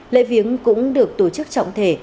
lễ viếng cũng được tổ chức trọng thể